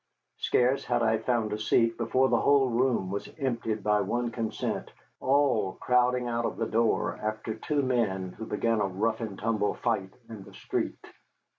Scarce had I found a seat before the whole room was emptied by one consent, all crowding out of the door after two men who began a rough and tumble fight in the street.